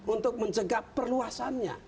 untuk mencegah perluasannya